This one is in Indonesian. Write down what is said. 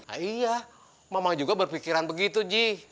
iya mamang juga berpikiran begitu ji